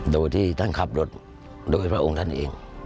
โดยที่ท่านขับรถโดยพระองค์ท่านเอง